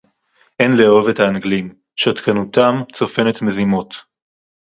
אֵין לֶאֱהֹב אֶת הָאַנְגְּלִים. שַׁתְקָנוּתָם צוֹפֶנֶת מְזִמּוֹת.